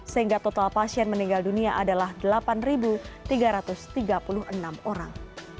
sehingga total pasien meninggal dunia adalah delapan tiga ratus tiga puluh enam orang